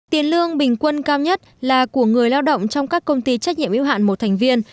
tiền lương bình quân cao nhất là của người lao động trong các công ty trách nhiệm yêu hạn một thành viên